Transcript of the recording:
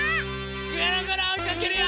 ぐるぐるおいかけるよ！